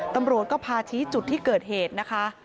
ตำรวจก็พาชี้จุดที่เกิดเหตุนะคะ